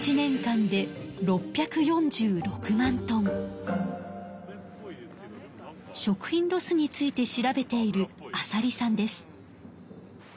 その量は食品ロスについて調べている浅利さんです。